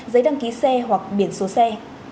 giấy đăng ký xe hoặc biển số xe